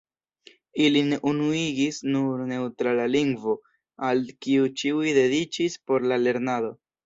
Ilin unuigis nur neŭtrala lingvo, al kiu ĉiuj dediĉis por la lernado.